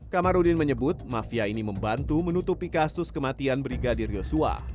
kamarudin menyebut mafia ini membantu menutupi kasus kematian brigadir yosua